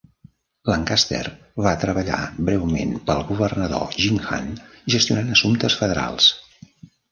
Lancaster va treballar breument pel governador Jim Hunt gestionant assumptes federals.